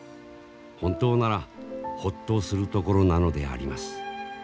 本当ならほっとするところなのであります。